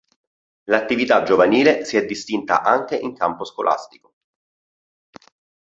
L'attività giovanile si è distinta anche in campo scolastico.